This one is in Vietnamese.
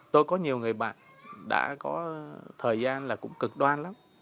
tôi có nhiều người bạn đã có thời gian là cũng cực đoan lắm